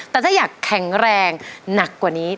แต่ถ้าอยากแข็งแรงหนักกว่านี้